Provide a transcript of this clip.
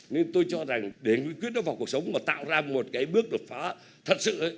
nên tôi cho rằng để nghị quyết nó vào cuộc sống mà tạo ra một cái bước đột phá thật sự